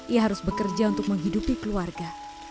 ia harus bekerja untuk menghidupi keluarga